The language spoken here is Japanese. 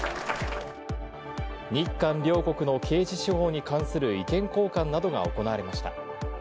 日韓両国の刑事司法に関する意見交換などが行われました。